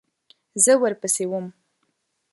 زه ورپسې وم .